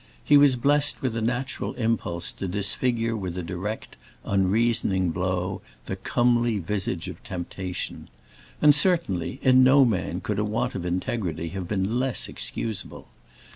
He was blessed with a natural impulse to disfigure with a direct, unreasoning blow the comely visage of temptation. And certainly, in no man could a want of integrity have been less excusable.